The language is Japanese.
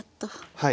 はい。